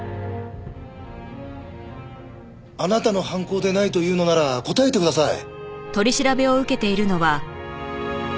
あなたの犯行でないというのなら答えてください。